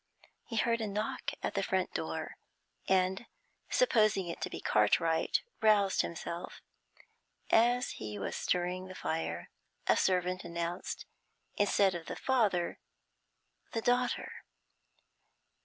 He heard a knock at the front door, and, supposing it to be Cartwright, roused himself. As he was stirring the fire a servant announced instead of the father, the daughter.